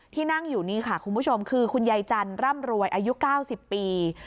นั่งอยู่นี่ค่ะคุณผู้ชมคือคุณยายจันทร์ร่ำรวยอายุ๙๐ปี